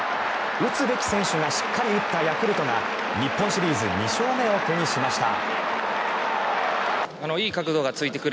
打つべき選手がしっかり打ったヤクルトが日本シリーズ２勝目を手にしました。